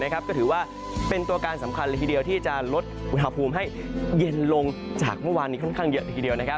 ก็ถือว่าเป็นตัวการสำคัญเลยทีเดียวที่จะลดอุณหภูมิให้เย็นลงจากเมื่อวานนี้ค่อนข้างเยอะทีเดียว